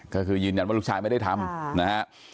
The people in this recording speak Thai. ก็คือยืนยันว่าลูกชายไม่ได้ทำนะฮะ